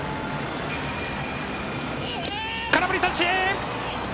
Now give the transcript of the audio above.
空振り三振！